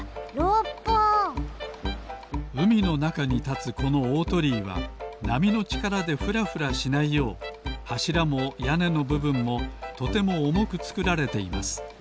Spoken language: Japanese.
うみのなかにたつこのおおとりいはなみのちからでふらふらしないようはしらもやねのぶぶんもとてもおもくつくられています。